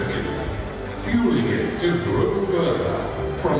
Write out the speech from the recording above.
dan membuat perusahaan mereka tumbuh lebih jauh dari kekuatan ke kekuatan